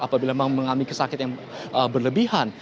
apabila memang mengalami kesakit yang berlebihan